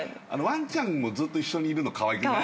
ワンちゃんもずっと一緒にいるのかわいくない？